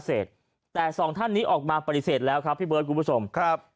เสร็จแต่สองท่านนี้ออกมาปฏิเสธแล้วครับพี่เบิร์ดคุณผู้ชมครับ